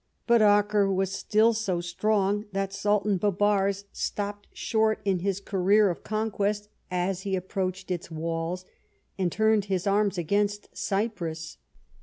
But Acre was still so strong that Sultan Bibars stopped short in his career of conquest as he approached its walls, and turned his arms against Cyprus.